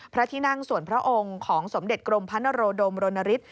พระที่นั่งส่วนพระองค์ของสมเด็จกรมพระนโรดมรณฤทธ